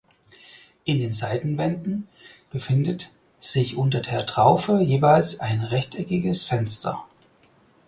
In den Seitenwänden befindet sich unter der Traufe jeweils ein rechteckiges Fenster.